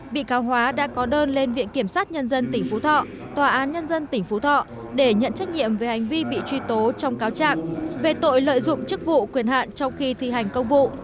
bị cáo hóa đã có đơn lên viện kiểm sát nhân dân tỉnh phú thọ tòa án nhân dân tỉnh phú thọ để nhận trách nhiệm về hành vi bị truy tố trong cáo trạng về tội lợi dụng chức vụ quyền hạn trong khi thi hành công vụ